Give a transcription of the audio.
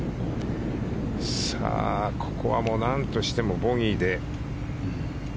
さあ、ここはなんとしてもボギーで。